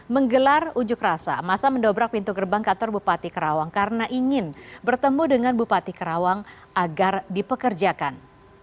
menggelar ujuk rasa masa mendobrak pintu gerbang kantor bupati kerawang karena ingin bertemu dengan bupati karawang agar dipekerjakan